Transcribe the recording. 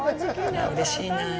うれしいなあ。